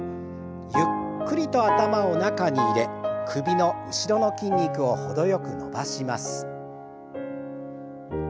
ゆっくりと頭を中に入れ首の後ろの筋肉を程よく伸ばします。